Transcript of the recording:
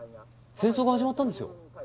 戦争が始まったんですよ。